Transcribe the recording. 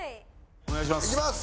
お願いします。